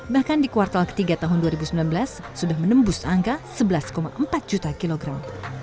bahkan di kuartal ketiga tahun dua ribu sembilan belas sudah menembus angka sebelas empat juta kilogram